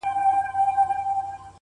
هغه به چيري اوسي باران اوري، ژلۍ اوري،